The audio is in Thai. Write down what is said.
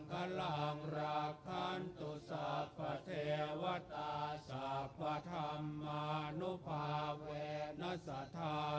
คัลังรักคันตุสัพพะเทวตาสัพพะธามมานุภาเวณัสตา